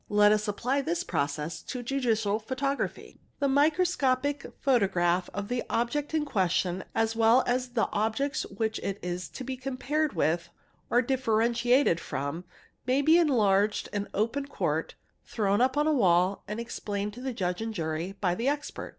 Let us apply this process to judicial photography; the microscopic photo graph of the object in question as well as of the objects which it is to be compared with or differentiated from may be enlarged in open court, thrown upon a wall, and explained to the Judge and jury by _ the expert.